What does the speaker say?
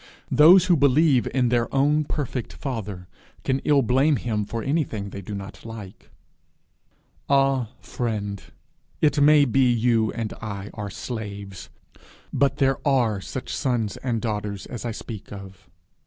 Those who believe in their own perfect father, can ill blame him for anything they do not like. Ah, friend, it may be you and I are slaves, but there are such sons and daughters as I speak of.